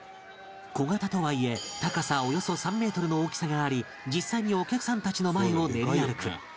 小型とはいえ高さおよそ３メートルの大きさがあり実際にお客さんたちの前を練り歩く